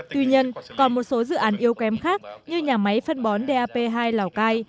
tuy nhiên còn một số dự án yếu kém khác như nhà máy phân bón dap hai lào cai